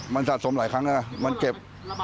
มันสะสมหลายครั้งแล้วนะมันเจ็บ